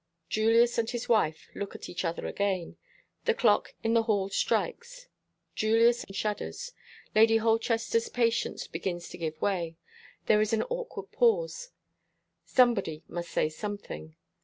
Julius and his wife look at each other again. The clock in the hall strikes. Julius shudders. Lady Holchester's patience begins to give way. There is an awkward pause. Somebody must say something.